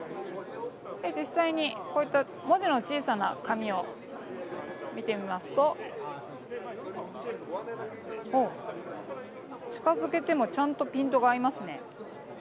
実際にこういった文字の小さな紙を見てみますと近づ付けてもちゃんとピントが合いますね。